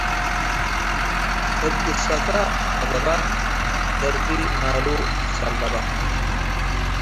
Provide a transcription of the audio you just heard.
“እብ ግሰተ ዐገበ፡ ደርጊ ማሉ ትሰለበ””